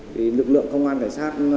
thì lực lượng công an cảnh sát